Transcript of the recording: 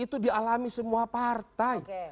itu dialami semua partai